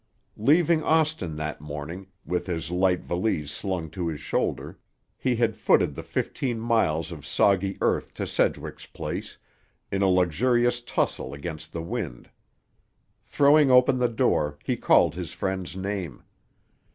Leaving Austin that morning, with his light valise slung to his shoulder, he had footed the fifteen miles of soggy earth to Sedgwick's place, in a luxurious tussle against the wind. Throwing open the door, he called his friend's name.